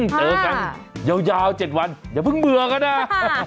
เจอกันยาว๗วันอย่าเพิ่งเบื่อก็ได้